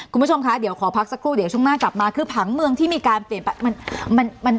คุณผู้ชมคะเดี๋ยวขอพักสักครู่เดี๋ยวช่วงหน้ากลับมาคือผังเมืองที่มีการเปลี่ยนไปมัน